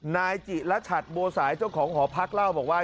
นายจิระชัดบัวสายเจ้าของหอพักเล่าบอกว่า